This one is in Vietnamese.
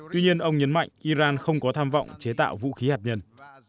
tuy nhiên ông nhấn mạnh iran không có tham vọng chế tạo vũ khí hạt nhân